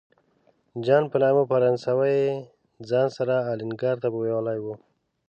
جان په نامه فرانسوی یې ځان سره الینګار ته بیولی و.